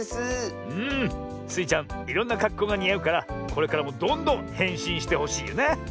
いろんなかっこうがにあうからこれからもどんどんへんしんしてほしいよな。